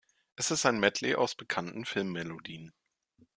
Es ist ein Medley aus bekannten Film-Melodien.